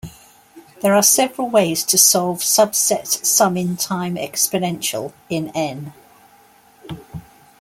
There are several ways to solve subset sum in time exponential in "N".